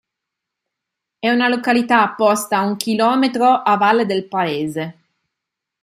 È una località posta a un km a valle del paese.